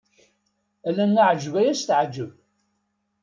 Ala aɛjab ay as-teɛjeb.